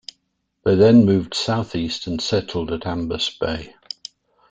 They then moved southeast and settled at Ambas Bay.